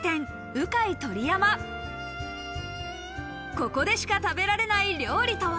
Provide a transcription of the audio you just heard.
ここでしか食べられない料理とは？